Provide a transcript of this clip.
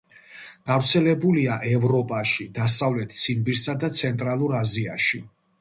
გავრცელებულია ევროპაში, დასავლეთ ციმბირსა და ცენტრალურ აზიაში.